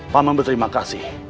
paman berterima kasih